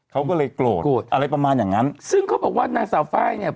เขาก็เลยโกรธโกรธอะไรประมาณอย่างงั้นซึ่งเขาบอกว่านางสาวไฟล์เนี่ย